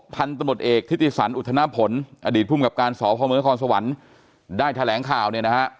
พันธุ์ตนบทเอกทฤษศรอุทธนพลอดีตภูมิกับการศพศได้แถลงข่าวเนี่ยนะฮะ